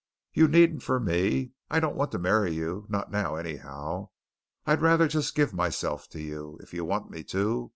You needn't for me. I don't want to marry you; not now, anyhow. I'd rather just give myself to you, if you want me to.